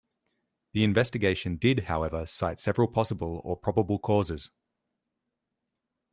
The investigation did, however, cite several possible or probable causes.